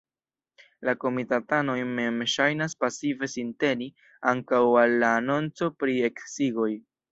La komitatanoj mem ŝajnas pasive sinteni ankaŭ al la anonco pri eksigoj.